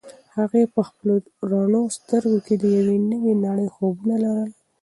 هغې په خپلو رڼو سترګو کې د یوې نوې نړۍ خوبونه لرل.